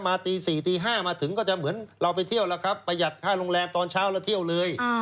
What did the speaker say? ตี๔ตี๕มาถึงก็จะเหมือนเราไปเที่ยวแล้วครับประหยัดค่าโรงแรมตอนเช้าแล้วเที่ยวเลย